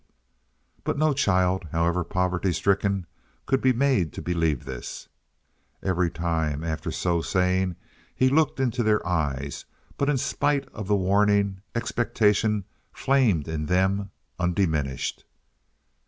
But no child, however poverty stricken, could be made to believe this. Every time after so saying he looked into their eyes, but in spite of the warning, expectation flamed in them undiminished.